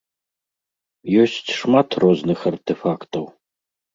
Ёсць шмат розных артэфактаў.